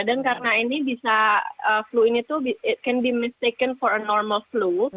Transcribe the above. dan karena ini bisa flu ini itu it can be mistaken for a normal flu